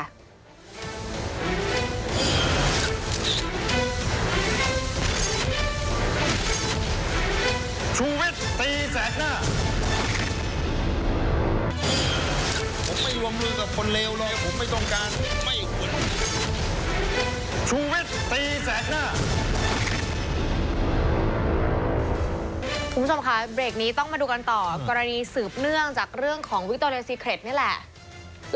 คุณผู้ชมค่ะเบรกนี้ต้องมาดูกันต่อกรณีสืบเนื่องจากเรื่องของวิคโตเรซีเครดนี่แหละ